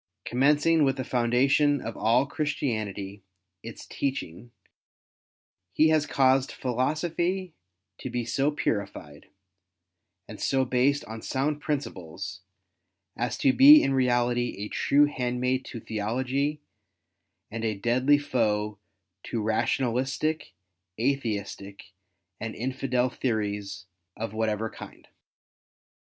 Commencing with the foundation of all Christianity, its teaching, he has caused philosophy to be so purified, and so based on sound principles, as to be in reality a true handmaid to theology and a deadly foe to rationalistic, Atheistic, and infidel theories of whatever kind.